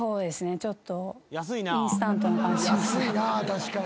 ちょっと。